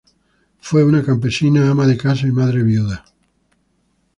Fue una campesina, ama de casa y madre viuda.